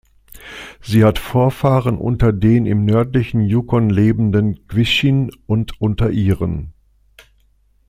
Sie hat Vorfahren unter den im nördlichen Yukon lebenden Gwich'in und unter Iren.